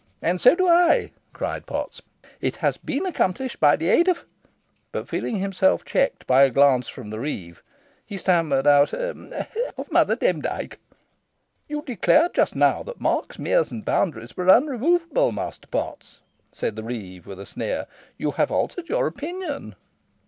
"And so do I," cried Potts; "it has been accomplished by the aid of " But feeling himself checked by a glance from the reeve, he stammered out, "of of Mother Demdike." "You declared just now that marks, meres, and boundaries, were unremovable, Master Potts," said the reeve, with a sneer; "you have altered your opinion."